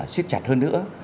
xuyết chặt hơn nữa